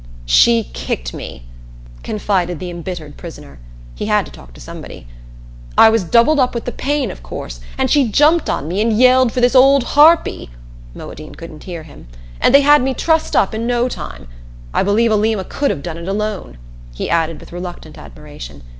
"She kicked me," confided the embittered prisoner he had to talk to someone. "I was doubled up with the pain, of course, and she jumped on me and yelled for this old harpy [Moadine couldn't hear him] and they had me trussed up in no time. I believe Alima could have done it alone," he added with reluctant admiration.